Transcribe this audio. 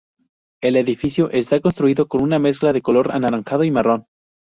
El edificio está construido con una mezcla de color anaranjado y marrón.